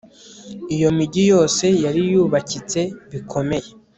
iyo mijyi yose yari yubakitse bikomeye